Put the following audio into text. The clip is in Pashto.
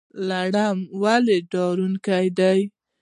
لړم ولې ډارونکی دی؟